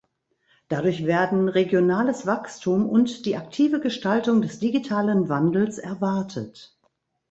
Dadurch werden regionales Wachstum und die aktive Gestaltung des digitalen Wandels erwartet.